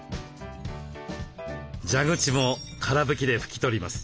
蛇口もから拭きで拭き取ります。